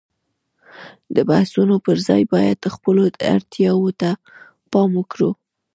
د بحثونو پر ځای باید خپلو اړتياوو ته پام وکړو.